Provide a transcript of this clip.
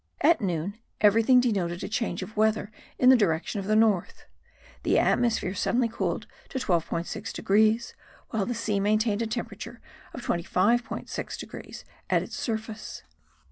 At noon everything denoted a change of weather in the direction of the north: the atmosphere suddenly cooled to 12.6 degrees, while the sea maintained a temperature of 25.6 degrees at its surface.